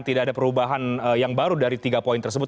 tidak ada perubahan yang baru dari tiga poin tersebut